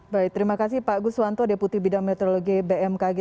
baik terima kasih pak guswanto deputi bidang meteorologi bmkg